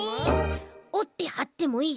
おってはってもいいし。